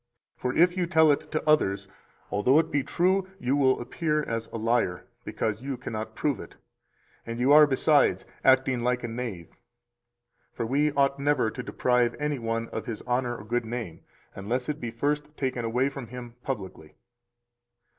For if you tell it to others, although it be true, you will appear as a liar, because you cannot prove it, and you are, besides, acting like a knave. For we ought never to deprive any one of his honor or good name unless it be first taken away from him publicly.